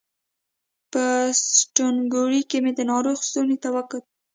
په ستونګوري مې د ناروغ ستونی وکوت